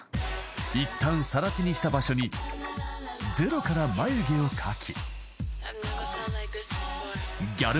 ［いったんさら地にした場所にゼロから眉毛を描き］